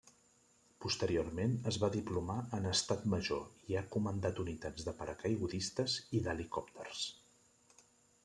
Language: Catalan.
Posteriorment es va diplomar en Estat Major i ha comandat unitats de paracaigudistes i d'helicòpters.